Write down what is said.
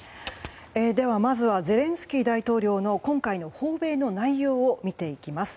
まずはゼレンスキー大統領の今回の訪米の内容を見ていきます。